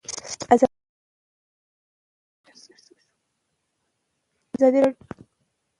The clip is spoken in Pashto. ازادي راډیو د تعلیم په اړه د هر اړخیزو مسایلو پوښښ کړی.